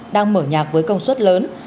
đang mở nhạc với công suất lớn